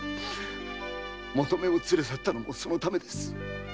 求馬を連れ去ったのもそのためです。